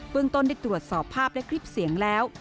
ต้นได้ตรวจสอบภาพและคลิปเสียงแล้ว